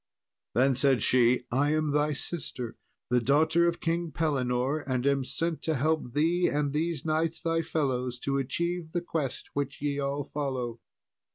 Then said she, "I am thy sister, the daughter of King Pellinore, and am sent to help thee and these knights, thy fellows, to achieve the quest which ye all follow."